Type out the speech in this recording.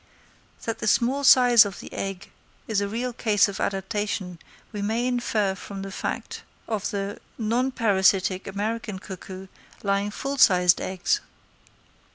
That the small size of the egg is a real case of adaptation we may infer from the fact of the mon parasitic American cuckoo laying full sized eggs.